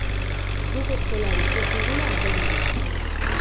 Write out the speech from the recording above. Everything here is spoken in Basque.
Guk eskolarik ez dugula ageri du.